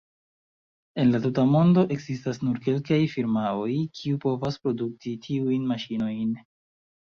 En la tuta mondo ekzistas nur kelkaj firmaoj, kiuj pova produkti tiujn maŝinojn.